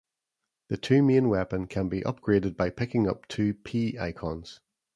The two main weapon can be upgraded by picking up to two "P" icons.